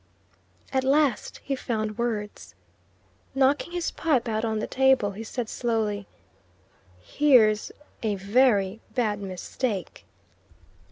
At last he found words. Knocking his pipe out on the table, he said slowly, "Here's a very bad mistake."